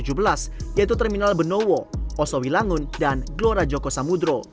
yaitu terminal benowo osowi langun dan gelora joko samudro